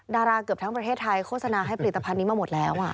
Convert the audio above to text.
ดาราเกือบทั้งประเทศไทยโฆษณาให้ผลิตภัณฑ์นี้มาหมดแล้ว